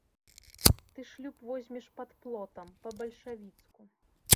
Ты шлюб возьмеш пад плотам, па-бальшавіцку.